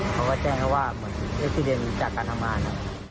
เขาก็แจ้งว่าเหตุเอกซิเดนท์จากการทำงาน